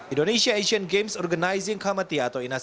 indonesia asian games organizing committee atau inas